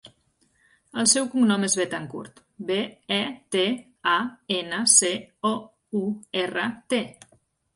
El seu cognom és Betancourt: be, e, te, a, ena, ce, o, u, erra, te.